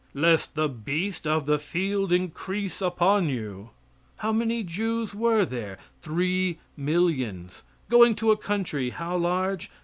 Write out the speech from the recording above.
"Lest the beasts of the field increase upon you." How many Jews were there? Three millions. Going to a country, how large?